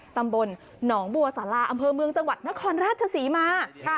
ตำบลหนองบัวสาราอำเภอเมืองจังหวัดนครราชศรีมา